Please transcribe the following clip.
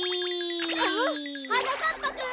ん？はなかっぱくん！